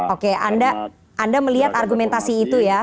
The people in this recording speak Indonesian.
oke anda melihat argumentasi itu ya